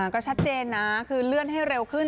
ก็ชัดเจนนะคือเลื่อนให้เร็วขึ้น